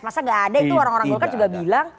masa gak ada itu orang orang golkar juga bilang